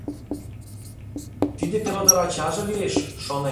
Тиде пелодар ачаже лиеш, шонет?..